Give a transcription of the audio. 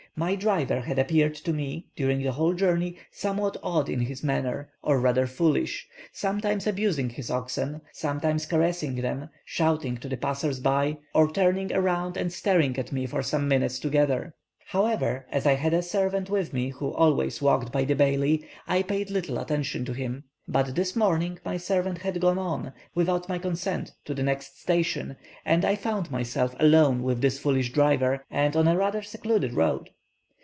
My driver had appeared to me, during the whole journey, somewhat odd in his manner, or rather foolish: sometimes abusing his oxen, sometimes caressing them, shouting to the passers by, or turning round and staring at me for some minutes together. However, as I had a servant with me who always walked by the baili, I paid little attention to him. But this morning my servant had gone on, without my consent, to the next station, and I found myself alone with this foolish driver, and on a rather secluded road.